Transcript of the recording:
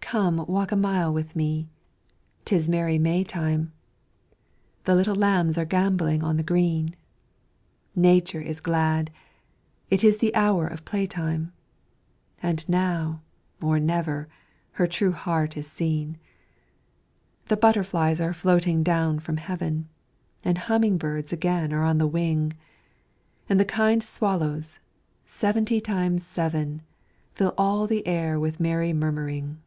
MAY Come walk a mile with me 'Tis merry May time; The little lambs are gamboling on the green, Nature is glad it is her hour of playtime, And now, or never, her true heart is seen; The butterflies are floating down from heaven, And humming birds again are on the wing, And the kind swallows, seventy times seven, Fill all the air with merry murmuring.